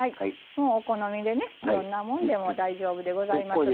もうお好みでねどんなもんでも大丈夫でございますが。